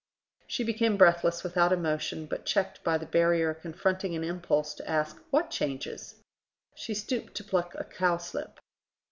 She became breathless, without emotion, but checked by the barrier confronting an impulse to ask, what changes? She stooped to pluck a cowslip.